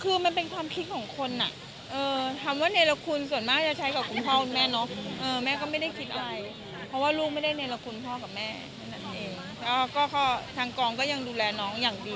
คือมันเป็นความคิดของคนอ่ะเออทำว่าเนรคุณส่วนมากจะใช้กับคุณพ่อคุณแม่เนาะเออแม่ก็ไม่ได้คิดอะไรเพราะว่าลูกไม่ได้เนรคุณพ่อกับแม่นั่นเองแล้วก็ก็ทางกองก็ยังดูแลน้องอย่างดี